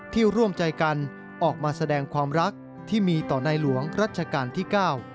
ร่วมใจกันออกมาแสดงความรักที่มีต่อในหลวงรัชกาลที่๙